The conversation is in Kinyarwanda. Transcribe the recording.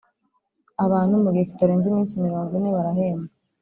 Abantu mu gihe kitarenze iminsi mirongo ine barahembwa.